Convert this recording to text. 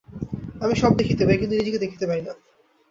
আমি সবই দেখিতে পাই, কিন্তু নিজেকে দেখিতে পাই না।